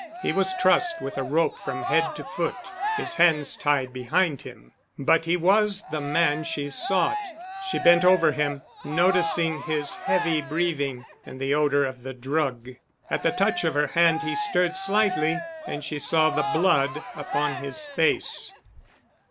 He was trussed with a rope from head to foot, his hands tied behind him. But he was the man she sought. She bent over him, noticing his heavy breathing and the odor of the drug. At the touch of her hand he stirred slightly and she saw the blood upon his face.